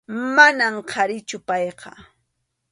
Manam qharichu payqa.